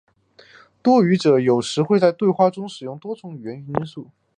多语者有时会在对话中使用多种语言的元素。